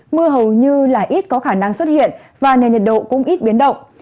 mưa hầu như là ít có khả năng xuất hiện và nền nhiệt độ cũng ít biến động